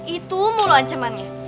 itu mulu ancamannya